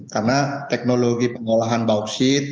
karena teknologi pengolahan bau boksit